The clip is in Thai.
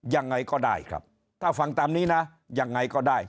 ยังไงก็ได้ครับถ้าฟังตามนี้นะยังไงก็ได้